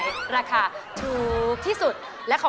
แนบเลย